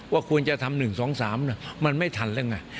ควรจะทำ๑๒๓มันไม่ทันแล้วไง